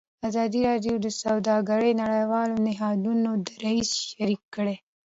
ازادي راډیو د سوداګري د نړیوالو نهادونو دریځ شریک کړی.